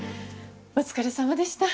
お疲れさまでした。